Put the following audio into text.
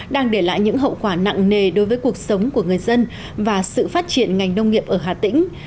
đang để lại những hậu quả nặng nề đối với cuộc sống của người dân và sự phát triển ngành nông nghiệp ở hà tĩnh